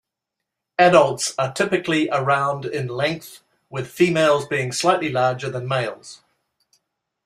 Adults are typically around in length, with females being slightly larger than males.